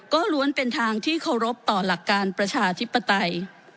ก็ล้วนเป็นทางที่เคารพต่อหลักการประชาธิปไตย